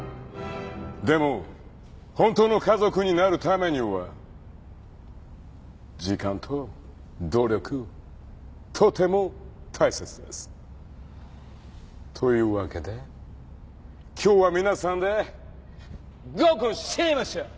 でも本当の家族になるためには時間と努力とても大切です。というわけで今日は皆さんで合コンしましょう！